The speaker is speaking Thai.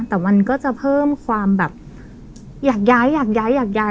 แต่มันก็จะเพิ่มความแบบอยากย้ายอยากย้ายอยากย้าย